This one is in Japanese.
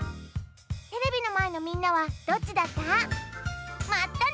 テレビのまえのみんなはどっちだった？